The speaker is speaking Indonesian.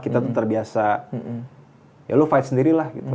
kita tuh terbiasa ya lo fight sendiri lah gitu